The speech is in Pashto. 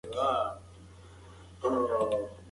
هغه په خپل لاس کې د لسي غوټه بیا تېزه کړه.